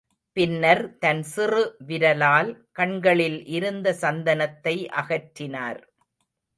பின்னர் தன் சிறு விரலால் கண்களில் இருந்த சந்தனத்தை அகற்றினார்.